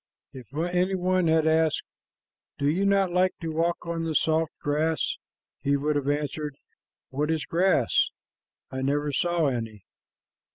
If any one had asked, "Do you not like to walk on the soft grass?" he would have answered, "What is grass? I never saw any."